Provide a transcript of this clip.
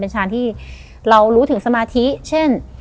ชาญที่เรารู้ถึงสมาธิเช่น